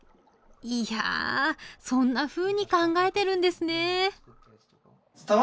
いやぁそんなふうに考えてるんですね！